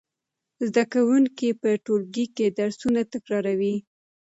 زده کوونکي په ټولګي کې درسونه تکراروي.